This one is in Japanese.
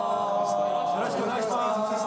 よろしくお願いします。